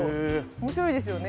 面白いですよね。